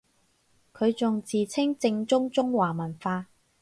佢仲自稱正宗中華文化